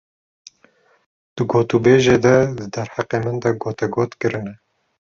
Di gotûbêjê de di derheqê min de gotegot kirine.